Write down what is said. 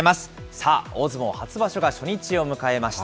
さあ、大相撲初場所が初日を迎えました。